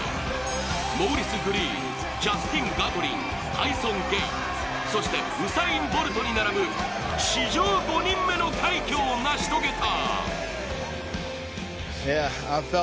モーリス・グリーンジャスティン・ガトリンタイソン・ゲイ、そしてウサイン・ボルトに並ぶ史上５人目の快挙を成し遂げた。